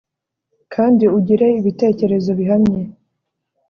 kandi ugire ibitekerezo bihamye